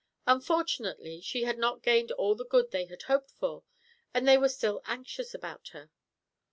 Unfortunately, she had not gained all the good they had hoped for, and they were still anxious about her.